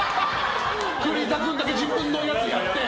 栗田君だけ自分のやつやって！